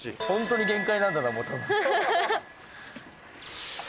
本当に限界なんだな多分。